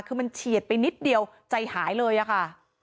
คือมันเฉียดไปนิดเดียวใจหายเลยอะค่ะ